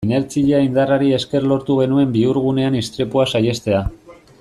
Inertzia indarrari esker lortu genuen bihurgunean istripua saihestea.